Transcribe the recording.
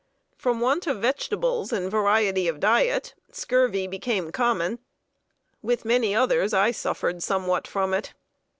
] From want of vegetables and variety of diet, scurvy became common. With many others, I suffered somewhat from it.